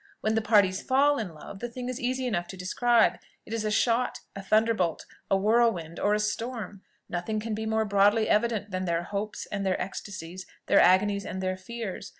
When the parties fall in love, the thing is easy enough to describe: it is a shot, a thunderbolt, a whirlwind, or a storm; nothing can be more broadly evident than their hopes and their ecstasies, their agonies and their fears.